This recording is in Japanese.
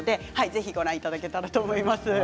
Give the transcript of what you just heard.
ぜひご覧いただけたらと思います。